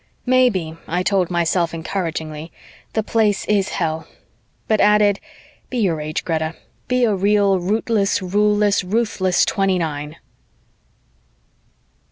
"Maybe," I told myself encouragingly, "the Place is Hell," but added, "Be your age, Greta be a real rootless, ruleless, ruthless twenty nine."